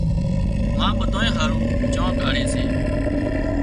ما ٻڌانئين هارو چانه ڪاڙهي سي